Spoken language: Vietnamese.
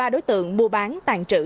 một mươi ba đối tượng mua bán tàn trữ